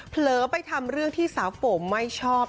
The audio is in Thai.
เผลอไปทำเรื่องที่สาวโฟมไม่ชอบ